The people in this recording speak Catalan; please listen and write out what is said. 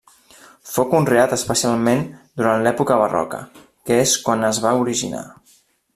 Fou conreat especialment durant l'època barroca, que és quan es va originar.